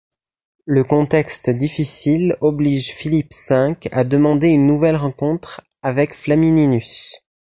Le contexte difficile oblige Philippe V à demander une nouvelle rencontre avec Flamininus.